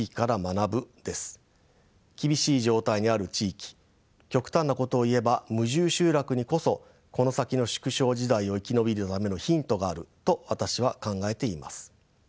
厳しい状態にある地域極端なことを言えば無住集落にこそこの先の縮小時代を生き延びるためのヒントがあると私は考えています。